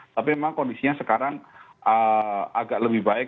tapi memang kondisinya sekarang agak lebih baik